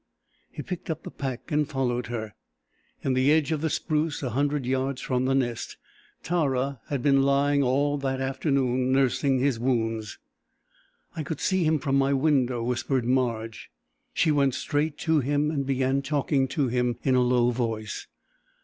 He picked up the pack and followed her. In the edge of the spruce a hundred yards from the Nest, Tara had been lying all the afternoon, nursing his wounds. "I could see him from my window," whispered Marge. She went straight to him and began talking to him in a low voice.